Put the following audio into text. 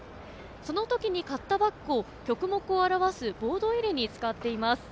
その時に買ったバッグを曲目を表すボード入れに使っています。